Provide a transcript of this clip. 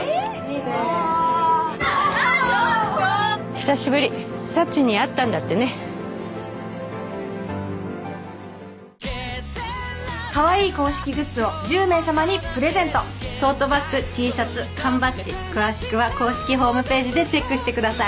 久しぶりサチに会ったんだってねかわいい公式グッズを１０名さまにプレゼントトートバックＴシャツ缶バッジ詳しくは公式ＨＰでチェックしてください